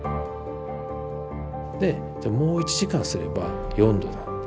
でもう１時間すれば４°だ。